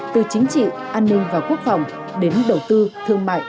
từ chính trị an ninh và quốc phòng đến đầu tư thương mại